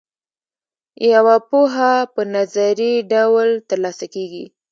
یوه پوهه په نظري ډول ترلاسه کیږي.